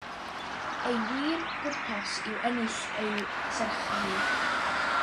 Ei wir bwrpas yw ennill ei serch hi.